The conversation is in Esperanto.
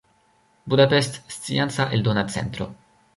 Budapest: Scienca Eldona Centro.